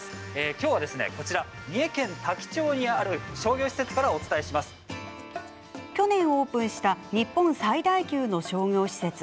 きょうはですね、こちら三重県多気町にある商業施設から去年、オープンした日本最大級の商業施設。